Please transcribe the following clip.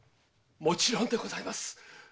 もちろんでございます！